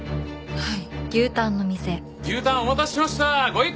はい。